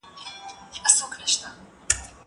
زه به سبا لیکل وکړم!؟